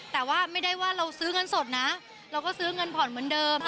แต่ว่าไม่ได้ว่าเราซื้อเงินสดนะเราก็ซื้อเงินผ่อนเหมือนเดิม